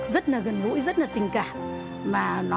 rất là gần gũi rất là tình cảm